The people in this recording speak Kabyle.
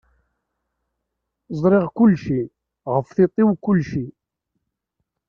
Ẓriɣ kullci, ɣef tiṭ-iw kullci.